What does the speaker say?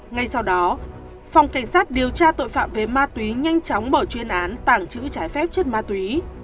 ngay sau đó phòng cảnh sát điều tra tội phạm về ma túy nhanh chóng mở chuyên án tảng chữ trái phép chất ma túy